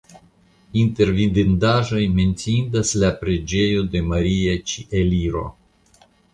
Inter vidindaĵoj menciindas la preĝejo de Maria Ĉieliro.